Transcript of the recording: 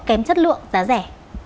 kém chất lượng giá rẻ